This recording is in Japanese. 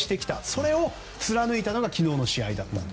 それを貫いたのが昨日の試合だったと。